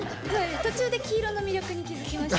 途中で黄色の魅力に気付きました。